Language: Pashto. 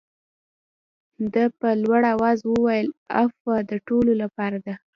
ده په لوړ آواز وویل عفوه د ټولو لپاره ده.